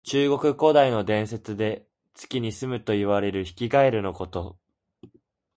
中国古代の伝説で、月にすむといわれるヒキガエルのこと。